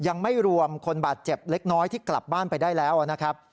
ยังไม่รวมคนบาดเจ็บเล็กน้อยที่กลับบ้านไปได้แล้วนะครับ